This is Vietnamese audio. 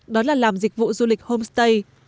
đó là làm dịch vụ du lịch homestay